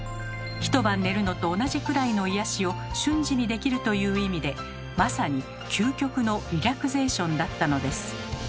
一晩寝るのと同じくらいの癒やしを瞬時にできるという意味でまさに究極のリラクゼーションだったのです。